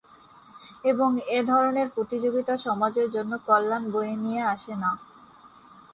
এবং এ ধরনের প্রতিযোগিতা সমাজের জন্য কল্যাণ বয়ে নিয়ে আসে না।